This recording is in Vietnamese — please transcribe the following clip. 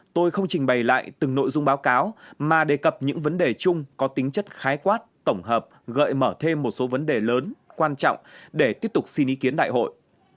tôi không trình bày lại từng nội dung báo cáo mà đề cập những vấn đề chung có tính chất khái quát tổng hợp gợi mở thêm một số vấn đề lớn quan trọng để tiếp tục xin ý kiến đại hội